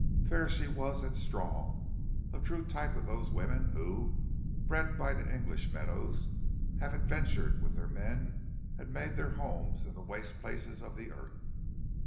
Fair she was, and strong a true type of those women who, bred by the English meadows, have adventured with their men and made their homes in the waste places of the earth.